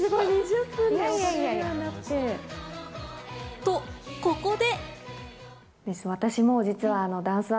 と、ここで。